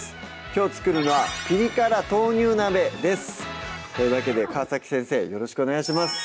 きょう作るのは「ピリ辛豆乳鍋」ですというわけで川先生よろしくお願いします